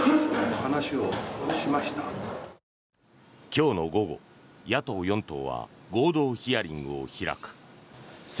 今日の午後、野党４党は合同ヒアリングを開く。